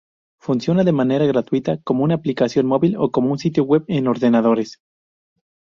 Funciona de manera gratuita como aplicación móvil o como sitio web en ordenadores.